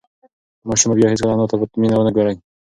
ماشوم به بیا هیڅکله انا ته په مینه ونه گوري.